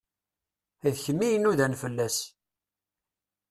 D kem i inudan fell-as.